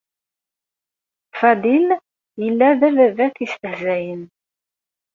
Faḍil yella d ababat yestahzayen.